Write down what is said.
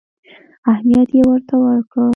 اهمیت یې ورته ورکړ.